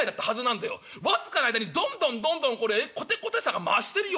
僅かの間にどんどんどんどんこれコテコテさが増してるよ。